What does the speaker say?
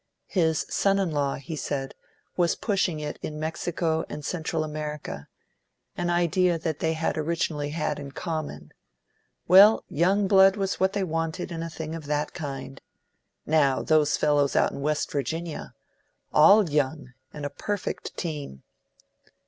His son in law, he said, was pushing it in Mexico and Central America: an idea that they had originally had in common. Well, young blood was what was wanted in a thing of that kind. Now, those fellows out in West Virginia: all young, and a perfect team!